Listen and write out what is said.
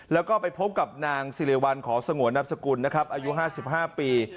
แล้วก็ไปพบกับนางสิริวัลขอสงวนนับสกุลนะครับอายุ๕๕ปี